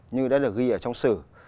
như đã được ghi ở trong sử